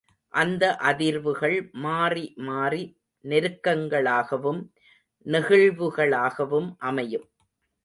இந்த அதிர்வுகள் மாறிமாறி நெருக்கங்களாகவும் நெகிழ்வுகளாகவும் அமையும்.